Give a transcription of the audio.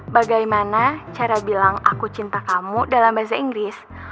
bagaimana cara bilang aku cinta kamu dalam bahasa inggris